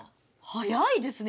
早いですね